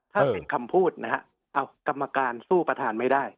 ถ้าเป็นคำพูดนะฮะเอากรรมการสู้ประธานไม่ได้